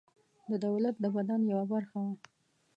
د دولت د بدن یوه برخه وه.